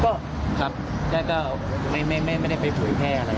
ก็ครับไม่ได้ไปปลวยแท้อะไร